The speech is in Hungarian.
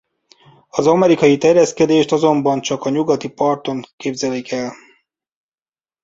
Az amerikai terjeszkedést azonban csak a nyugati parton képzelik el.